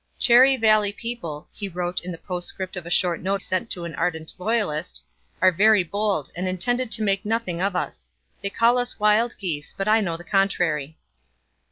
'Cherry Valley people,' he wrote in the postscript of a short note sent to an ardent loyalist, '[are] very bold, and intended to make nothing of us; they call us wild geese, but I know the contrary.'